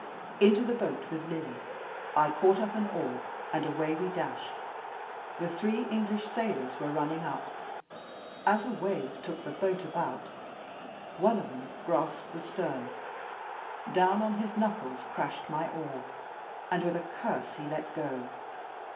Into the boat with Lily I caught up an oar, and away we dashed. The three English sailors were running up. As a wave took the boat about, one of them grasped the stern; down on his knuckles crashed my oar, and with a curse he let go.